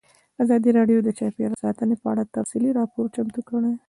ازادي راډیو د چاپیریال ساتنه په اړه تفصیلي راپور چمتو کړی.